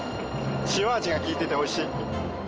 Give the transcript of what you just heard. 塩味が利いてておいしい。